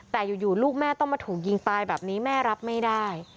แต่อยู่ลูกแม่ต้องมาถูกยิงตายแบบนี้แม่รับไม่ได้